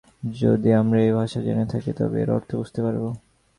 যদি আমরা এই ভাষা জেনে থাকি তবে এর অর্থ বুঝতে পারব।